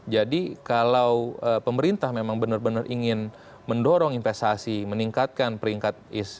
jadi kalau pemerintah memang benar benar ingin mendorong investasi meningkatkan peringkat is of doing business kita